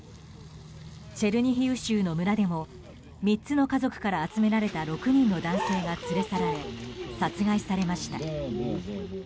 チェルニヒウ州の村でも３つの家族から集められた６人の男性が連れ去られ殺害されました。